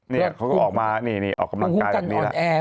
นี่เขาก็ออกมานี่ออกกำลังกายแบบนี้แหละ